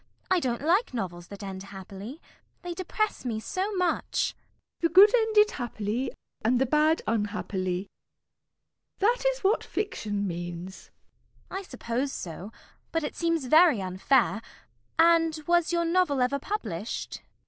I don't like novels that end happily. They depress me so much. MISS PRISM. The good ended happily, and the bad unhappily. That is what Fiction means. CECILY. I suppose so. But it seems very unfair. And was your novel ever published? MISS PRISM.